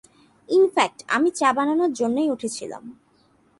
In fact আমি চা বানানোর জন্যেই উঠেছিলাম।